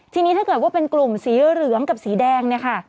ทีนี้ถ้าเกิดว่าเป็นกลุ่มสีเหลืองกับสีแดงเนี่ยค่ะ